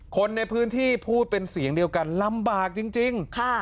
คนในพื้นที่พูดเป็นเสียงเดียวกันลำบากจริง